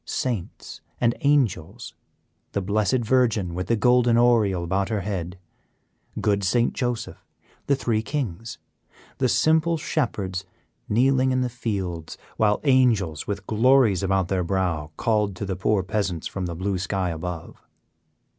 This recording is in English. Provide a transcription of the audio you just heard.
Saints and Angels, the Blessed Virgin with the golden oriole about her head, good St. Joseph, the three Kings; the simple Shepherds kneeling in the fields, while Angels with glories about their brow called to the poor Peasants from the blue sky above.